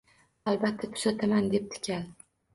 Albatta tuzataman, debdi kal